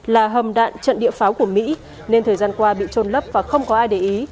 là hầm đạn trận địa pháo của mỹ nên thời gian qua bị trôn lấp và không có ai để ý